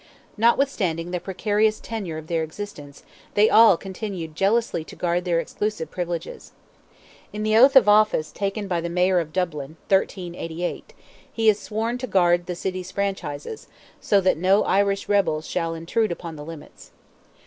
Notwithstanding the precarious tenure of their existence, they all continued jealously to guard their exclusive privileges. In the oath of office taken by the Mayor of Dublin (1388) he is sworn to guard the city's franchises, so that no Irish rebel shall intrude upon the limits.